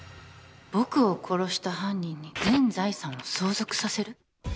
僕を殺した犯人に全財産を相続させる。